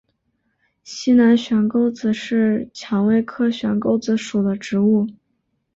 西南悬钩子是蔷薇科悬钩子属的植物。